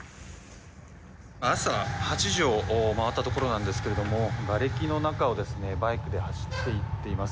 朝８時を回ったところなんですががれきの中をバイクで走っていっています。